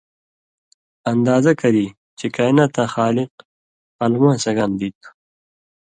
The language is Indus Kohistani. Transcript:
اندازہ کری چے کائناتاں خالق قلماں سگان دی تُھو۔